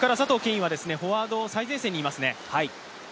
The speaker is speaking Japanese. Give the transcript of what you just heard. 允はフォワード、最前線にいますね。